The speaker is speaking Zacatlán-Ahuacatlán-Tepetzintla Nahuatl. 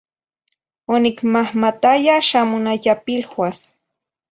Onicmahmataya xa mona yapiluas.